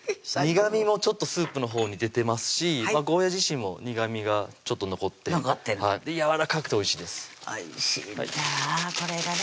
苦みもちょっとスープのほうに出てますしゴーヤ自身も苦みがちょっと残ってやわらかくておいしいですおいしいんだこれがね